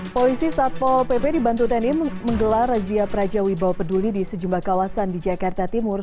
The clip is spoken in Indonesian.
polisi satpol pp di bantutan ini menggelar razia prajawi bawapeduli di sejumlah kawasan di jakarta timur